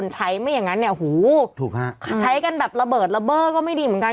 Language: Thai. ใช้กันแบบระเบิดระเบิดก็ไม่ดีเหมือนกัน